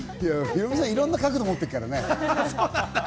ヒロミさん、いろんな角度を持ってるからね。